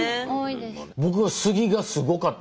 僕はスギがすごかった。